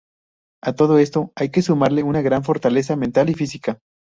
A todo esto hay que sumarle una gran fortaleza mental y física.